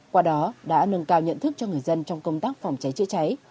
qua đó đã nâng cao nhận thức cho người dân trong công tác phòng cháy chữa cháy